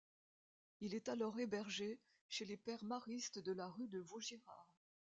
Il est alors hébergé chez les pères maristes de la rue de Vaugirard.